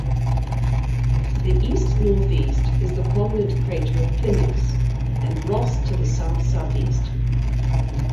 To the east-northeast is the prominent crater Plinius and Ross to the south-southeast.